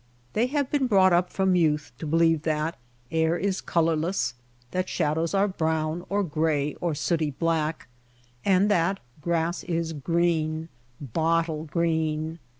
They have been brought up from youth to believe that air is colorless, that shadows are brown or gray or sooty black, and that grass is green — bottle green.